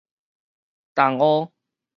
茼蒿